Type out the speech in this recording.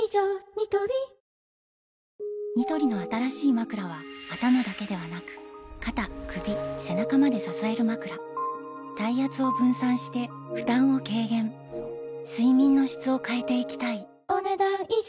ニトリニトリの新しいまくらは頭だけではなく肩・首・背中まで支えるまくら体圧を分散して負担を軽減睡眠の質を変えていきたいお、ねだん以上。